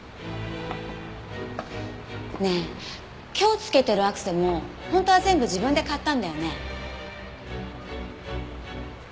ねえ今日着けてるアクセも本当は全部自分で買ったんだよね？